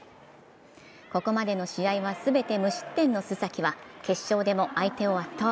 ここまでの試合は全て無失点の須崎は、決勝でも相手を圧倒。